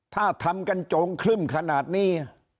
ถ้าทำกันโจงครึ่มขนาดนี้